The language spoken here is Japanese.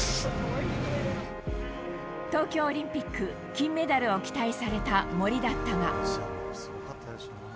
東京オリンピック金メダルを期待された森だったが。